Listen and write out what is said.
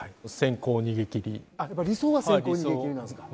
理想は先行逃げ切りなんですか。